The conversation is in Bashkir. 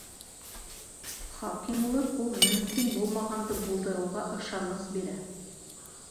Хакимлыҡ ул мөмкин булмағанды булдырыуға ышаныс бирә.